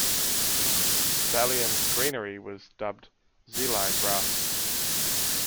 Dalian's greenery was dubbed "Xilai Grass".